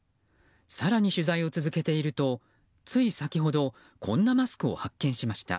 更に取材を続けているとつい先ほど、こんなマスクを発見しました。